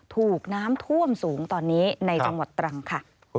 ถูกน้ำท่วมสูงตอนนี้ในจังหวัดตรังค่ะ